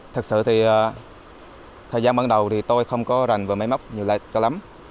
thật sự thì thời gian ban đầu thì tôi không có rành vào máy móc nhiều lắm